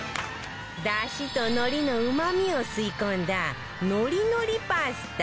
出汁と海苔のうまみを吸い込んだのりのりパスタ